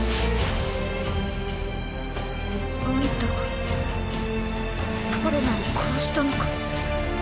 あんたがパロナを殺したのか？